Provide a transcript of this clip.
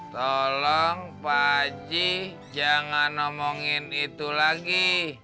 tolong pak haji jangan ngomongin itu lagi